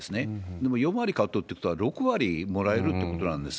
でも、４割カットってことは、６割もらえるということなんです。